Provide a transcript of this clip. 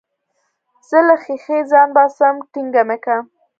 زه له ښيښې ځان باسم ټينګه مې که.